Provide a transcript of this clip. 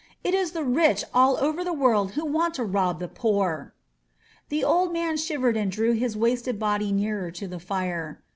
It is the rich all over the world who want to rob the poor/' The old man shivered and drew his wasted body nearer to the fire.